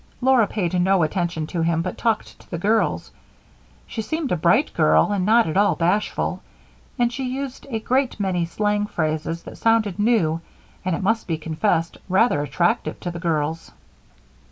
Laura paid no attention to him but talked to the girls. She seemed a bright girl and not at all bashful, and she used a great many slang phrases that sounded new and, it must be confessed, rather attractive to the girls.